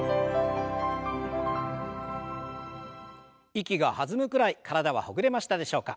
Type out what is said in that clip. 息が弾むくらい体はほぐれましたでしょうか。